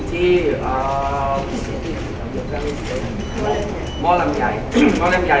ก็เป็นเลยสิ่งที่ต้องควบคุม